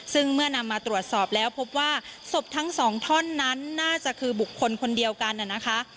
ซึ่งเมื่อนำมาตรวจสอบแล้วพบว่าศพทั้งสองท่อนนั้นน่าจะคือบุคคลคนเดียวกันนะคะ